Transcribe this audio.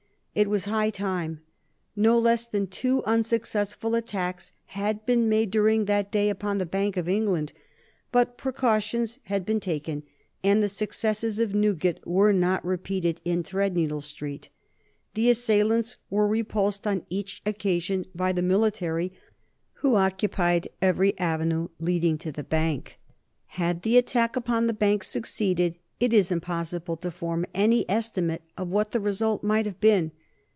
It was high time. No less than two unsuccessful attacks had been made during that day upon the Bank of England, but precautions had been taken, and the successes of Newgate were not repeated in Threadneedle Street. The assailants were repulsed on each occasion by the military, who occupied every avenue leading to the Bank. Had the attack upon the Bank succeeded it is impossible to form any estimate of what the result might have been.